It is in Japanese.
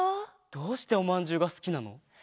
どうしておまんじゅうがすきなの？